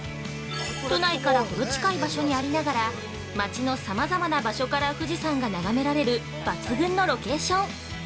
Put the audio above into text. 都内からほど近い場所にありながら町のさまざまな場所から富士山が眺められる抜群のロケーション。